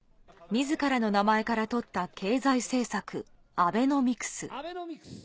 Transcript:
みずからの名前から取った経済政策、アベノミクス。